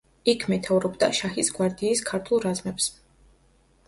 იქ მეთაურობდა შაჰის გვარდიის ქართულ რაზმებს.